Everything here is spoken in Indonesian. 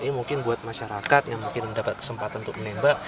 ini mungkin buat masyarakat yang mungkin mendapat kesempatan untuk menembak